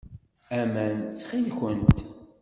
Aman, ttxil-kent.